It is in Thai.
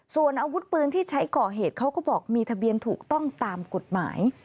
ส่วนอาวุธปืนที่ใช้ก่อเหตุเขาก็บอกมีทะเบียนถูกต้องตามกฎหมาย